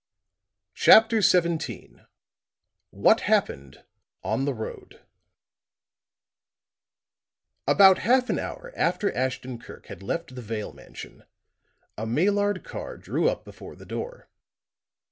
CHAPTER XVII WHAT HAPPENED ON THE ROAD About half an hour after Ashton Kirk had left the Vale mansion, a Maillard car drew up before the door.